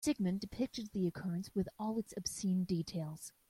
Sigmund depicted the occurrence with all its obscene details.